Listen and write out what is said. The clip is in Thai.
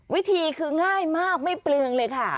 วิธีคือง่ายมากไม่เปลืองเลยค่ะ